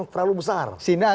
tidak perlu besar